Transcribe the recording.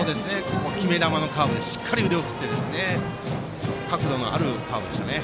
決め球のカーブでしっかりと腕を振って角度のあるカーブでしたね。